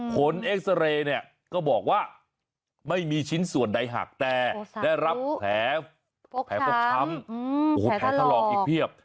เอ็กซาเรย์เนี่ยก็บอกว่าไม่มีชิ้นส่วนใดหักแต่ได้รับแผลฟกช้ำโอ้โหแผลถลอกอีกเพียบ